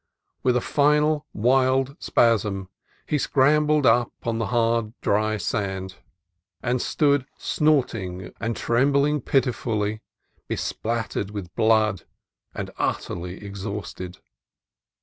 With a final wild spasm he scrambled up on to the dry, hard sand, and stood snorting and trembling pitifully, bespattered with blood and ut terly exhausted.